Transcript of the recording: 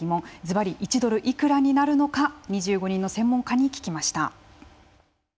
ずばり１ドルいくらになるのか２５人の専門家に聞きました。